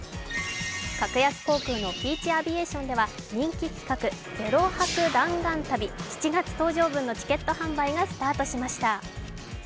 格安航空のピーチ・アビエーションでは、人気企画・０泊弾丸旅、７月搭乗分のチケット販売がスタートしました。